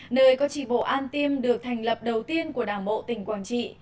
nơi có tri bộ an tiêm được thành lập đầu tiên của đảng bộ tỉnh quảng trị